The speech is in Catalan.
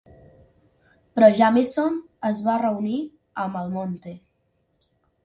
Però Jameson es va reunir amb Almonte.